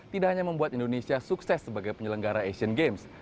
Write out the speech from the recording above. tidak hanya membuat indonesia sukses sebagai penyelenggara asian games